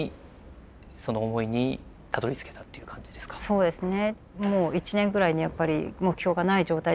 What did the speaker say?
そうですね。